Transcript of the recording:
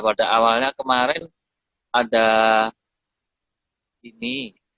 pada awalnya kemarin ada ini